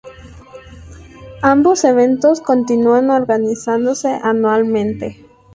Ambos eventos continúan organizándose anualmente.